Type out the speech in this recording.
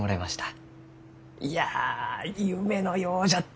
いや夢のようじゃった！